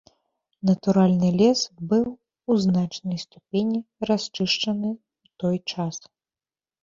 Натуральны лес быў у значнай ступені расчышчаны ў той час.